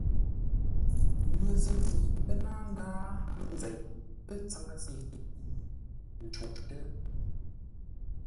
Məzʉ̂ mi pə́ náa ndáa mənzeʼ, ə̂ tsáŋə́se yi ncûʼtə́.